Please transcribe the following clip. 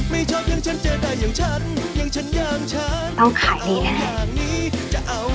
มีลูกค้าสั่งซื้อเพิ่มอีกหนึ่งแพ็คจ้า